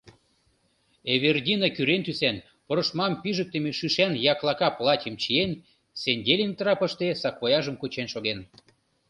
Эвердина кӱрен тӱсан, прошмам пижыктыме шӱшан яклака платьым чиен,“Сенделинг” трапыште саквояжым кучен шоген.